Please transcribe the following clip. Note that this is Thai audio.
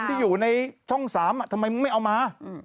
ที่อยู่ในช่อง๓ทำไมมึงไม่เอามา